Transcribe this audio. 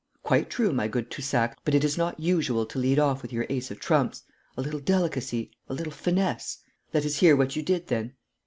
'Quite true, my good Toussac; but it is not usual to lead off with your ace of trumps. A little delicacy a little finesse ' 'Let us hear what you did then?'